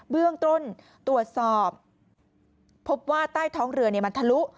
เบื้องต้นตรวจสอบพบว่าใต้ท้องเรือมันทะลุ